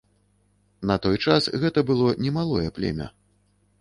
На той час гэта было немалое племя.